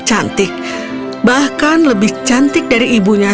bahwa punya kakak mana lemah itu tidak existed